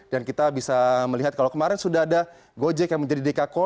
dan kita bisa melihat kalau kemarin sudah ada gojek yang menjadi dekakorn